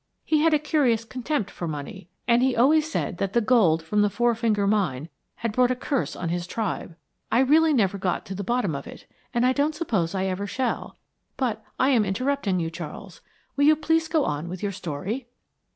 He had a curious contempt for money, and he always said that the gold from the Four Finger Mine had brought a curse on his tribe. I really never got to the bottom of it, and I don't suppose I ever shall; but I am interrupting you, Charles. Will you please go on with your story."